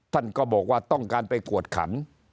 ท่านก็บอกว่าต้องการไปกวดขัน